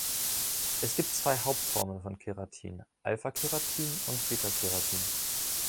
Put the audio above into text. Es gibt zwei Hauptformen von Keratin: Alpha-Keratin und Beta-Keratin.